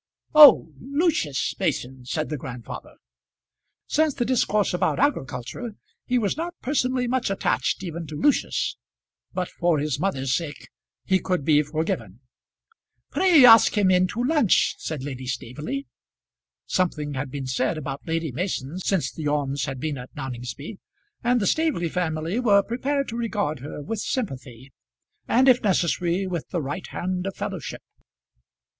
"Oh, Lucius Mason," said the grandfather. Since the discourse about agriculture he was not personally much attached even to Lucius; but for his mother's sake he could be forgiven. "Pray ask him into lunch," said Lady Staveley. Something had been said about Lady Mason since the Ormes had been at Noningsby, and the Staveley family were prepared to regard her with sympathy, and if necessary with the right hand of fellowship.